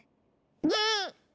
うん！